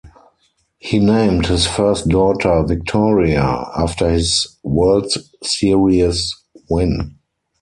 He named his first daughter Victoria after his World Series win.